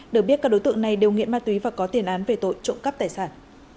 được biết các đối tượng này đều nghiện ma túy và có tiền án về tội trộm cắp tài sản